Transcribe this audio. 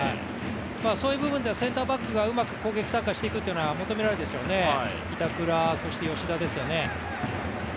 そういう部分ではセンターバックがうまく攻撃参加していくっていうのは求められているんですけど板倉、そして吉田ですよね。